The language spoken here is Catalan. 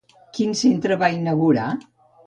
Quin centre va inaugurar?